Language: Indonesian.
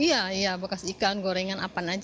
iya bekas ikan gorengan apa saja